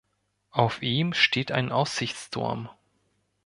Auf ihm steht ein Aussichtsturm.